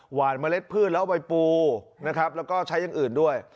เมล็ดพืชแล้วเอาไปปูนะครับแล้วก็ใช้อย่างอื่นด้วย